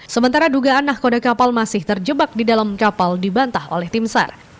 sementara dugaan nahkoda kapal masih terjebak di dalam kapal dibantah oleh tim sar